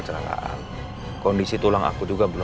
selamat siang bu